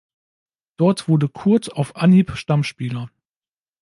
Dort wurde Kurth auf Anhieb Stammspieler.